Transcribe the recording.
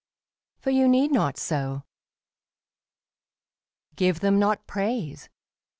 For you need not so. Give them not praise.